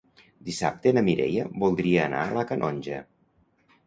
Dissabte na Mireia voldria anar a la Canonja.